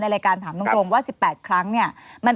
รายการถามตรงว่า๑๘ครั้งเนี่ย